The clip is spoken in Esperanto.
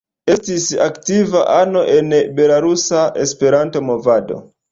Estis aktiva ano en belarusa Esperanto-movado.